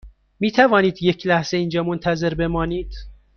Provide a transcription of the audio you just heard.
می توانید یک لحظه اینجا منتظر بمانید؟